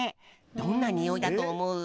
どんなにおいだとおもう？